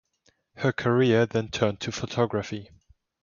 Her career then turned to photography.